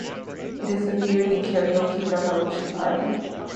It is appeared in "Karaoke Revolution Party".